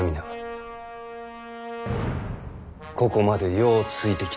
ここまでようついてきてくれた。